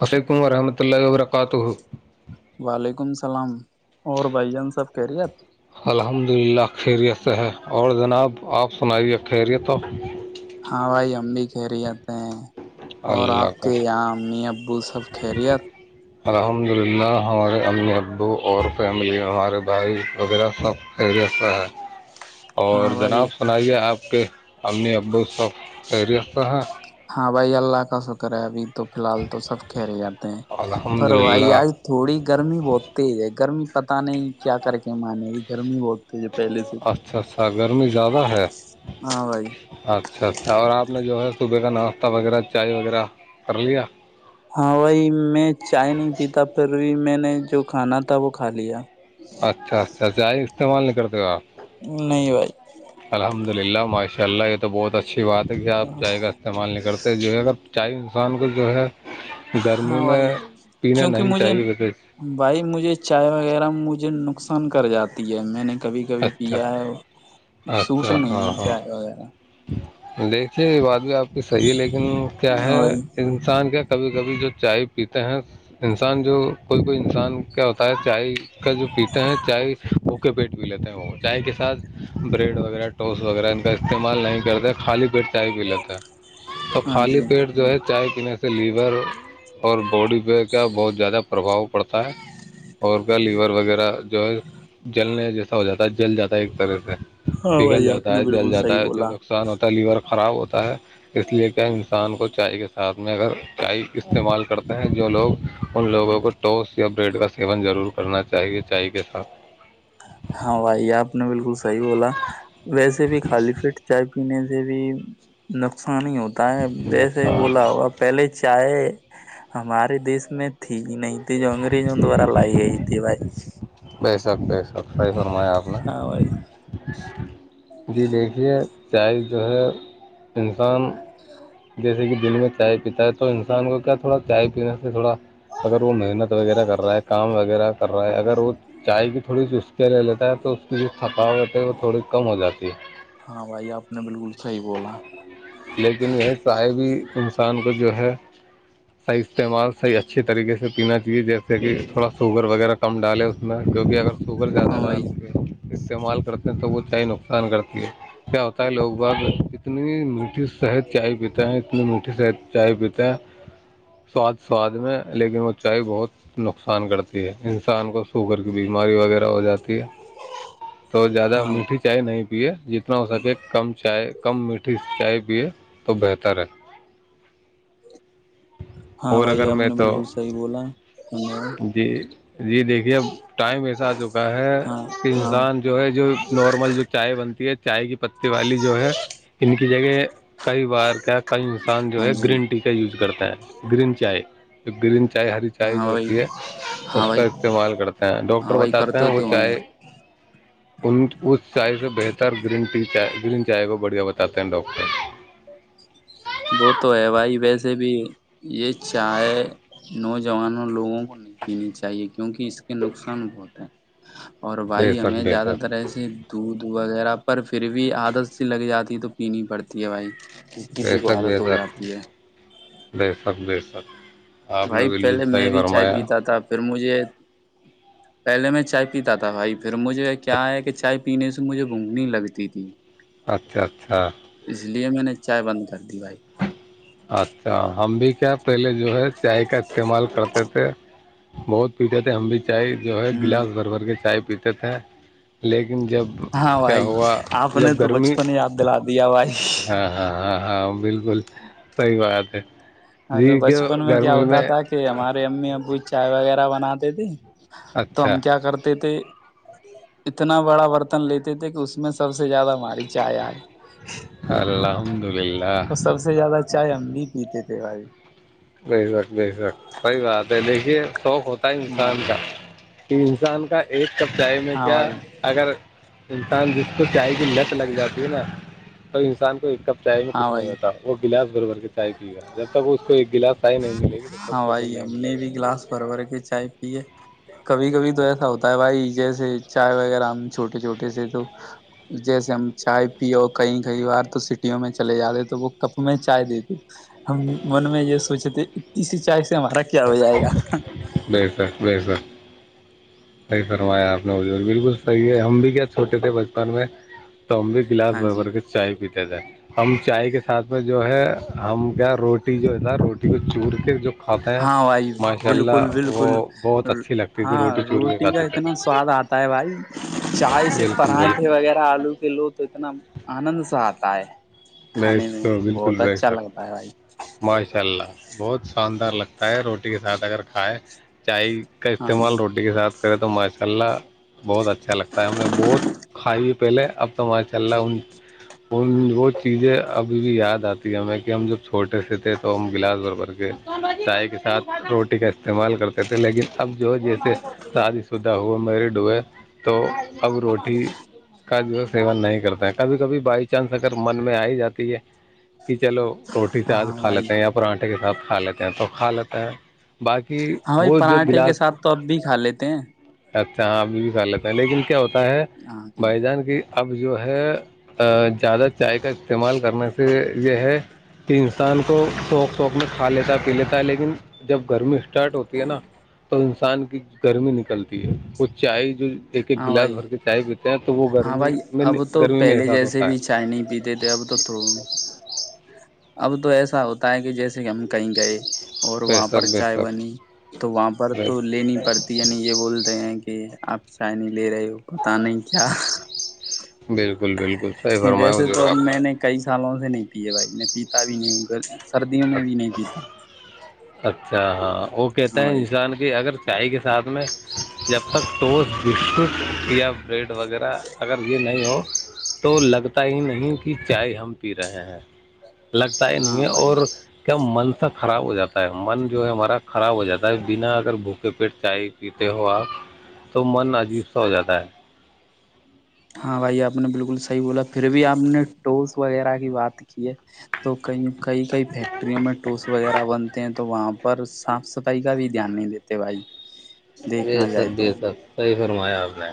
وعلیکم ورحمۃ اللہ وبرکاتہ وعلیکم السلام اور بھائی جان سب خیریت الحمد للہ خیریت سے ہے اور جناب آپ سنائیے خیریت ہو ہاں بھائی ہم بھی خیریت ہیں اور اللہ آپ کا کے یہاں امی ابو سب خیریت الحمد للہ ہمارے امی ابو اور فیملی ہمارے بھائی وغیرہ سب خیریت سے ہیں اور ہاں بھائی جناب سنائیے آپ کے امی ابو سب خیریت سے ہیں ہاں بھائی اللہ کا شکر ہے ابھی تو فی الحال تو سب خیریت ہیں الحمد پر بھائی للہ آج تھوڑی گرمی بہت تیز ہے گرمی پتا نہیں کیا کر کے مانے گی گرمی بہت تیج اچھا اچھا گرمی زیادہ ہے ہاں بھائی اچھا اچھا اور آپ نے جو ہے صبح کا ناشتہ وغیرہ چائے وغیرہ کر لیا ہاں ہھائ میں چائے نھیں پیتا پر میں نے جو کھانا تھا وہ کھا لیا اچھا اچھا چائے استعمال نہیں کرتے ھو اپ نہیں بھائی الحمد للہ معاشی اللہ کا تو بھت اچھی بات ہے کہ آپ چائے کا استعمال نہیں کرتے جو ہے اگر چاہے انسان کو جو ہے گرمی ہاں بھائی میں پینا کیونکہ نہیں مجھے چاہیے ویسے بھائی مجھے چائے وغیرہ مجھے نک نقصان کر جاتی ہے میں نے کبھی کبھی اچھا پیا ہے سوٹ اچھا نہیں ہاں ہے ہاں چائے وغیرہ دیکھیے بعد میں آپ کہ صحیح ہے لیکن کیا ہاں ہے بھائی انسان کا کبھی کبھی جو چائے پیتے ہیں انسان جو کوئی کوئی انسان کا ہوتا ہے چائے کا جو پیتے ہیں چائے بھوکے پیٹ پی لیتے ہیں وہ چائے کے ساتھ بریڈ وغیرہ ٹوس وغیرہ ان کا اسعمال استعمال نہیں کرتے خالی پیٹ چائے پی لیتے ہے تو ہاں خالی جی پیٹ جو ہے چائے پینے سے لیور اور باڈی پہ کیا بہت زیادہ پربھاؤ پڑتا ہے اور کیا لیور وغیرہ جو ہے جلنے جیسا ہو جاتا جل جاتا ہے ایک طرح سے ہاں بھائی پگھل آپ جاتا نے ہے جل بالکل جاتا صحیح ہے بو جو نقصان ہوتا [unintelligible] تلیور خراب ہوتا ہے [unintelligible] اس لیے کیا انسان کو چائے کے ساتھ ساتھ میں اگر چائے استعمال کرتے ہیں جو لوگ ان لوگوں کو ٹوس یا بریڈ کا سیون ضرور کرنا چاہیے چائے کے ساتھ [unintelligible] ہاں بھائی آپ نے بالکل [unintelligible] صحی بولا ویسے بھی خالی پٹ چائے پینے [unintelligible] بھی نقص [unintelligible] نہیں ہوتا ہے جیسے نقصان بولا ہوا پہلے [unintelligible] چاہے ہمارے دیس میں تھی نہیں ت جو انگریزوں دوبارا لائی گئی تھی باری بسک بےسک [unintelligible] فائی فرما آپ نے ہاں بھائی [unintelligible] جی دیکھیے چائے جو ہے انسان [unintelligible] ا [inaudible] جیسے کہ دل میں چائے پیتا ہے انسان کو کیا تھوڑا چیپ [unintelligible] اسپنس تھڑا [unintelligible] اگر وہ محنت وغیرہ کر رہا ہے کام وغیرہ کر رہا ہے اگر وہ چائے کی تھوڑی سی اسک لے لیتا ہے تو اس کی جو تھکاوت ہے وہ تھوڑی کم ہو جاتی ہے ہاں بھائی آپ نے بالکل صحیح بولا [unintelligible] لیکن یہی چائے بھی انسان کو جو ہے صحیح استعمال صحیح اچھے طریقے سے پینا چاہیے جیسے کہ تھوڑا شوگر وغیرہ کم ڈالے اس میں جوکہ اگر سوگرر کازا ہاں بھائی ڈالک [unintelligible] استعمال کرتے ہیں تو وہتی نقصان کرتی ہے کیا ہوتا ہے لوگ بھگ جتنی [unintelligible] میٹھی صحت چائے پیتے ہیں اتنی میٹھی صحد چائے پیتے ہیں سواد سواد میں لیکن وہ چائے بہت نقصان کرتی ہے انسان کو [unintelligible] سوگر کی بیماری وغیرہ ہو جاتی ہے تو زیادہ ہاں میٹھی چائے نہیں پیے جتنا ہو سکے کم چائے کم میٹھی چائے [unintelligible] بھی ہے تو بہتر ہے [unintelligible] ہاں اور بھائی اگر آپ میں نے تو بالکل صحیح بولا ہاں جی جی دیکھیے ا ٹائم ایسا آ چکا ہے کہ ہاں انسان جو ہے جو نارمل جو چائے بنتی ہے [unintelligible] چائے کی [unintelligible] پتی والی جو ہے ان کی جگہ کئی بار کیا کئی انسان جو ہاں ہے جی گرین ٹی کا یوز کرتا ہے گرین چائے بلن [unintelligible] چائے ہری چائے ہاں جو بھائی ہوتی ہے ہاں اس کا بھائی استعمال کرتے ہیں ہاں ڈاکٹر بھائی بتاتے کرتے ہیں وہ تو چائے [unintelligible] ان [unintelligible] اس چائے سے بہتر گرین ٹی گرین چائے کو بڑھیا بتا تتے ڈاکٹر [unintelligible] وہ تو ہے بھائی ویسے بھی یہ چائے نوجوانوں لوگوں کو نہیں پینی چاہیے کیونکہ اس کے نقصان بہت ہیں اور بے بھائی شک ہمیں بے زیادہ شک تر ای سے دودھ وغیرہ پر پھر بھی عادت سی لگ جاتی تو پینی پڑتی ہے بھائی کسی عادت ہو بزار جاتی ہے د سبب [unintelligible] س [unintelligible] بھائی پہلے میں بھی چائے پیتا تھا پھر مجھے پہلے میں چائے پیتا تھا بھائی پھر مجھے کیا ہے کہ چائے پینے سے مجھے گھونگنی لگتی تھی اچھا اچھا اس لیے میں نے چائے بند کر دی بھائی اچھا ہم بھی کیا پہلے جو ہے چائے کا استعمال کرتے تھے [unintelligible] بہت پیتے تھے ہم بھی چائے جو ہے ہوں گلاس بھر بھر کے چائے پیتا تھا لیکن لن جب ہاں کیا بھائی ہوا آپ نے جب تو گرمی بچپن یاد دلا دیا بھائی ہاں ہاں ہاں ہاں بالکل بات ہے [unintelligible] ہاں تو جی کی بچپن میں کیا گرمی ہوتا تھا کہ ہمارے امی ابو چائے وغیرہ بناتی تے تو اچھا ہم کیا کرتے تھے اتنا بڑا برتن لیتے تھے کہ اس میں سب سب سے زیادہ ہماری چائے آئے الحمد للہ اور سب سے زیادہ چائے ہم بھی پیتے تھے صی بھائی بے شک بے شک صحی بات ہے دیکھیے شوق ہوتا ہے ہاں انسان کا کہ انسان کا ایک کپ چائے میں ہاں کیا بھائی اگر انسان جس کو چاہے گ لت لگ جاتی ہے نا تو انسان کو ایک [unintelligible] چائے میں ہاں کچھ نہیں بھائی ہوتا وہ گلاس گربر [unintelligible] طائی کی گا جب تک اس کو ایک نہیں ملے گی تب تک ہاں سکون بھائی نہیں ہم نے ملے بھی گا گلاس بھر بھر کے چائے پیے کبھی کبھی تو ایسا ہوتا ہے بھائی جیسے چائے وغیرہ ہم چھوٹے چھوٹے سے تو جیسے ہم چائے پیو کہیں کئی بار تو سٹیوں میں چلے جاتے تو وہ کپ میں چائے دیتے ہم من میں یہ سوچے تھے ا سی چس ارا کیا ہو جائے گا بے شک بے شک صحیح فرمایا آپ نے بالکل صحیح ہے ہم بھی کیا چھوٹے تھے بچپن میں تو ہم بھی گلاس ہاں جی بربر کے چائے پیتے تھے ہم چائے کے ساتھ میں جو ہے ہم کیا روٹی جو ہے تھا روٹی کو چور کے جو کاتے ہیں ہاں بھائی ماشاء بالکل اللہ وہ بالکل بہت اچھی لگتی تھی ہاں روٹی چور کے روٹی کا کھاتے اتنا تھے سواد آتا ہے بھائی چائے سے بالکل پراٹھے بالکل وغیرہ آلو کے لو تو اتنا آنند سے آتا ہے میں کھانے اس کو بالکل بہت بے اچھا لگتا ہے بھائی شک ماشاء اللہ بہت شاندار لگتا ہے روٹی کے ساتھ اگر کھائے چائے کا ہاں استعمال جی روٹی کے ساتھ کرے تو ماشاء اللہ بہت اچھا لگتا ہے ہم نے بہت کھائی ہے پہلے اب تو ماشاء اللہ ان ان وہ چیزیں ابھی بھی یاد آتی ہے ہمیں کہ ہم جب چھوٹے سے تھے تو ہم گلاس بھربھر کے چائے کے ساتھ روٹی کا استعمال کرتے تھے لیکن اب جو جیسے سادی شدہ ہو میرڈ ہوئے تو اب روٹی کا جو ہے سیون نہیں کرتے ہیں کبھی کبھی بائی چانس اگر من آئی جاتی ہے کہ چلو روٹی سے آج ہاں کھ بھائی لیتے ہیں یا پراٹھے ے کے ساتھ کھا لیتے ہیں تو کھا لیتا ہیں باقی ہاں بھائی وہ جو پراٹھے کے ساتھ تو اب بھی کھا لیتے ہیں اچھااں ابھی بھی کا لیتے ہیں لن کیا ہوتا ہے ہے ہاں جی بھائی جان کی اب جو ہے زیادہ چائے کا استعمال کرنے سے یہ ہے کہ انسان کو سوک سوکھ میں کھا لیتا پی لیتا ہے لیکن جب گرمی اسٹارٹ ہوتی ہے نا تو ان سے ان کی گرمی نکلتی ہے وہ چائے جو ایک ایک ہاں گلاس بھائی بھر کے چائے پیتے ہیں تو وہ ہاں گرمی بھائی میں اب تو گرمی میں پہلے احساس جیسے ہوتا بھی ہے چائے نہیں پیتے تھے اب تو تھ اب تو ایسا ہوتا ہے کہ جیسے کہ ہم کہیں گئے اور بے وہاں پر شک بے چائے شک بنی تو وہاں پر بے تو لینی پڑتی یعنی یہ بولتے ہیں کہ شائنی لے رہے ہو پت نہیں کیا بالکل بالکل سح فرمیا ویسے جو تو اب آات میں نے کئی سالوں نہیں پیے بھائی میں پیتا بھی نہیں گھر سردیوں میں بھی نہیں اچھا پیتا اچھا ہاں وہ ہاں کہتا ہیں بھائی انسان کی اگر چائے کے ساتھ میں جب تک ٹز بسکٹ یا بریڈ وغیرہ اگر یہ نہیں ہو تو لگتا ہی نہیں کہ چائے ہم پی رہے ہیں لگتا ہی نہیں ہاں ہے بھائی اور کیا من سا خراب ہو جاتا ہے من جو ہے ہمارا خراب ہو جاتا ہے بنا اگر بھوکے پیٹ چائے پیتے ہو آپ تو من عجیب سا ہو جاتا ہے ہاں بھائی آپ نے بالکل صحیح بولا پھر بھی آپ نے ٹوس وغیرہ کی بات کی ہے تو کئی کئی کئی فیکٹریوں میں ٹولس وغیرہ بنتے ہیں تو وہاں پر صاف صفائی کا بھی دھیان نہیں دیتے بھائی بے دیکھنا سک جائے بے تو سک صحیح فرمایا اپپ نے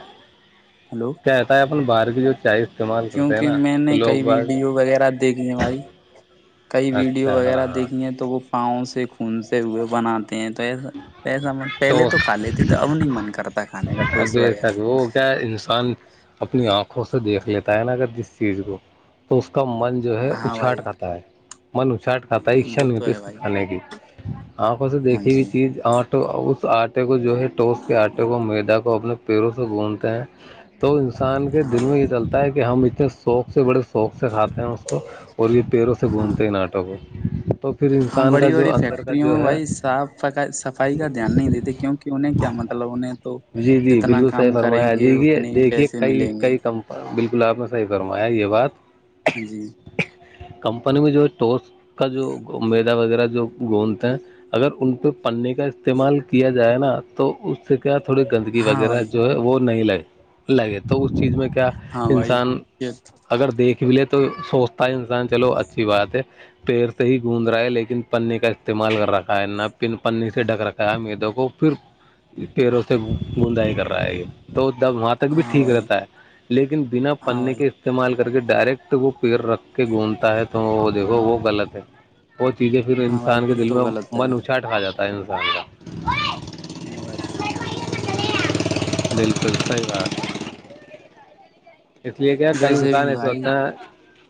ہلو کیا رہتا ہے اپن باہر کی جو چائے استعمال کرتے ہیں کیونکہ نا میں تو نے لوگ کئی بعض ویڈیو وغیرہ دیکھھی ہیں بھائی کئی ویڈیو اچھا ہاں وغیرہ ہاں دیکھی ہیں تو وہ پاؤں سے خون سے روئے بناتے توا ایسا پہلے تو کا لیتے تو اب نہیں من کرتا کھے کا ٹوس ابھی وغیرہ سب وہ کیا انسان اپنی آنکھوں سے دیکھ لیتا ہے نا اگر جس چیز کو تو اس کا من جو ہے ہاں اچھٹ بھائی رہتا ہے من چاٹ کھا شا وہ نہیں تو ہوتی ہے اس کے بھائی کھانے کی آنکھوں سے ہاں دیکھی ہوئی جی چیز آٹ آرٹ جو ہے ٹوس کے آٹے کو میدا کو وہ اپنے پیروں سے بھونتے ہیں تو انسان کے ہاں دل بھائی میں یہ چلتا ہے کہ ہم انے شوق سے بڑے شوق سے کھاتے ہیں اس کو اور یہ پیروں سے ہاں گھومتے ہیں ان آٹو کو تو پھر ہاں انسان کا بڑی جو بڑی اندر کا فیکٹریوں جو میں ہے بھائی صاف صفائی کا دھیان نہیں دیتے کیونکہ انہیں کیا مطلب انہیں تو جی جی جتنا بالکل صحیح کام کریں فرمایا گے دیجیے اتنے ہی دیکھیے پیسے کئی ملیں گے کئی کمپ بالکل آپ نے صحیح فرمایا یہ بات ہاں جی کمپنی میں جو ہے ٹوس کا جو میدا وغیرہ جو گوند ہیں اگر ان پہ پنے کا استعمال کیا جائے نا تو اس سے کیا تھوڑی گندگی ہاں وغیرہ بھائی جو ہے وہ نہیں لگ [unintelligible] لگے تو اس چیز میں کیا ہاں [unintelligible] بھائی انسان یہ اگر دیکھ بھی لے تو [unintelligible] تو سوچتا ہے انسان چلو اچھی بات ہے پیر سے ہی گوندھ رہا ہے لیکن پنی کا استعمال کر رکھا ہے نہ پن پنی سے ڈھک رکھا ہے میدوں کو پھر [unintelligible] پھر اسے بوندائی کر رہا ہے یہ تو [unintelligible] وہاں تک بھی ہاں ٹھیک بھائی رہتا ہے لیکن بنا ہاں پنے بھائی کے استعمال کے [unintelligible] کر کے ڈائریکٹ وہ پیڑ رکھ کے گھندتا ہے تو وہ دیکھو وہ غلط ہے [unintelligible] وہ چیزیں پھر ہاں بھائی انسان کے یہ دل تو میں غلط ہے من اچاٹھا جاتا [unintelligible] ٹم سا [unintelligible] ہاں [unintelligible] دل پڑت ہے اور [unintelligible] اس لیے کیا کئی ویسے بھی انسان ایسے بھائی ہوتا ہیں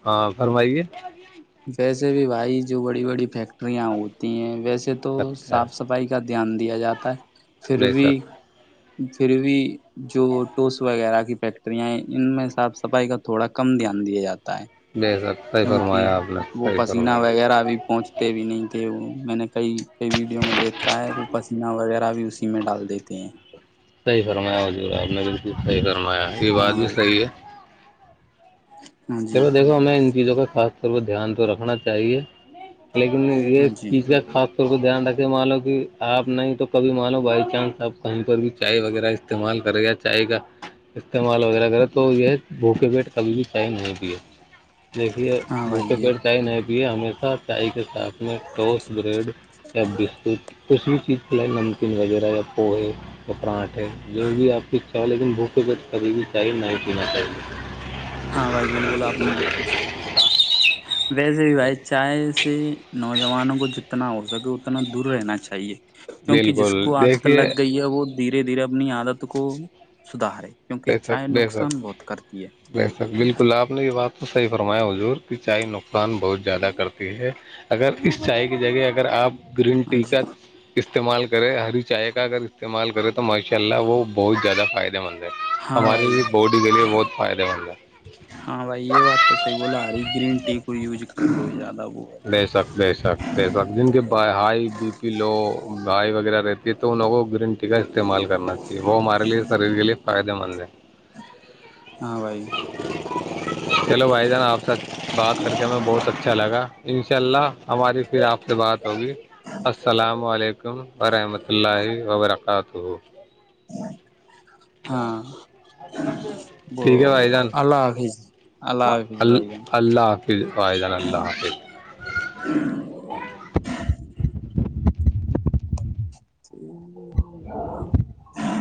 ہاں فرمائیے [unintelligible] جی [unintelligible] سے بھی بھائی جو بڑی بڑی فیکٹری [unintelligible] یاں ہوتی ہیں ویسے تو اچھا صاف صفائی کا دھیان دیا جاتا ہے پھر نہیں بھی سر [unintelligible] پھر بھی جو ٹوس وغیرہ کی فیکٹریاں ہیں ان میں صاف صفائی کا تھوڑا کم دھیان دیا جاتا ہے بے شک صحیح کیونکہ فرمایا آپ نے وہ صحیح پسینہ فرمایا وغیرہ بھی پہنچتے بھی نہیں تھے میں نے کئی کئی ویڈیو میں دیکھا ہے وہ پسینہ وغیرہ بھی اسی میں ڈال دیتے ہیں [unintelligible] ج گا [unintelligible] یہ بات ہاں بھی بھائی صحیح ہے [unintelligible] ہاں [unintelligible] چھو دھو ہمیں ان چیزوں کا کاتھ سر وہ دھیان تو رکھنا چاہیے [unintelligible] کالیک یہ ہاں جی پیزا کا کو دھیان رکھے مان لو کہ آپ نہیں تو کبھی مان لو بائی چانس آپ کہیں پر بھی چائے وغیرہ استعمال کریں یا چائے کا استعمال وغیرہ کریں تو یہ بھوکے پیٹ کبھی بھی چائے نہیں [unintelligible] شکریہ [unintelligible] دیکھیے ہاں بھائی بھوکے یہ پیڑ چی نہیں [unintelligible] ہمیشہ چائے کے [unintelligible] آپ میں ٹوسٹ بریڈ یا بسکٹ [unintelligible] کچھ بھی چیز کےائی نمکین وغیرہ یا پوہ یا پراٹھ ہے جو بھی آپ کی اچھا ہو لیکن بھوکے گچ کھی بھی چاہیے نہیں پینا چاہیے [unintelligible] ہاں بھائی بالکل [unintelligible] بولا آپ نے بالکل صحیح بولا ویسے [unintelligible] ی ب چائے سے [unintelligible] نوجوانوں کو جتنا ہو سکے اتنا دور رہنا چاہیے [unintelligible] کیونکہ جس بالکل کو آد دیکھیے لگ گئی ہے وہ دھیرے دھیرے اپنی عادت کو سدھارے کیونکہ چائے نقصان بہت کرتی ہے ویسا بالکل آپ نے یہ بات تو صحیح فرمایا حضور کہ چائے نقصان بہت زیادہ کرتی ہے اگر اس چائے کی جگہ اگر آپ گرین ہاں ٹی جی کا ک استعمال کرے ہری چائے کا اگر استعمال کرے تو ماشاء اللہ وہ بہت زیادہ فائدہ مند ہے ہاں ہمارے بھائی لیے باڈی کے لیے بہت فائدہ مند ہے ہاں بھائی یہ بات تو سی بولا ار گن ٹی کوئی یز کر ج لے سک لے سک لے سک جن کے ہائی بی پی لو بائی وغیرہ رہتے [inaudible] استعمال کرنا چاہیے وہ ہمارے لیے شریر کے لیے فائدے مند ہے ہاں بھائی چلو بھائی جان آپ سے بات کر کے میں بہت اچھا چلا گا انشاء اللہ ہماری پھر آپ سے بات ہوگی السلام علیکم ورحمۃ اللہ وبرکاتہ [inaudible] ہاں وہ ٹھیک ہے بھائی جان اللہ حافظ اللہ حافظ ال بھائی جان اللہ حافظ ودان اللہ حافظ [inaudible]